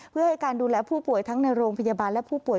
เพื่อให้การดูแลผู้ป่วยทั้งในโรงพยาบาลและผู้ป่ว